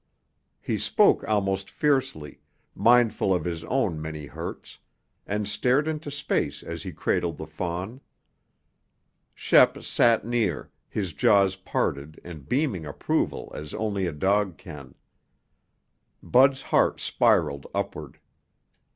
He spoke almost fiercely, mindful of his own many hurts, and stared into space as he cradled the fawn. Shep sat near, his jaws parted and beaming approval as only a dog can. Bud's heart spiraled upward.